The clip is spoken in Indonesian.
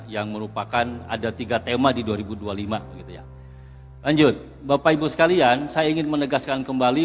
dua ribu dua puluh lima yang merupakan ada tiga tema di dua ribu dua puluh lima lanjut bapak ibu sekalian saya ingin menegaskan kembali